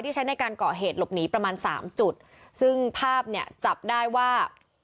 ใช้ในการก่อเหตุหลบหนีประมาณสามจุดซึ่งภาพเนี่ยจับได้ว่า